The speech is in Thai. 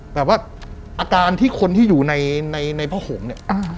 แบบว่าอาการที่คนที่อยู่ในผ้าห่มเนี่ย